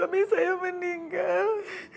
suami saya meninggal